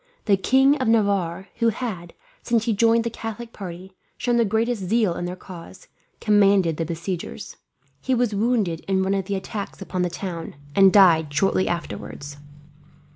The King of Navarre, who had, since he joined the Catholic party, shown the greatest zeal in their cause, commanded the besiegers. He was wounded in one of the attacks upon the town, and died shortly afterwards.